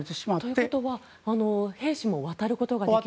ということは兵士も渡ることはできないし。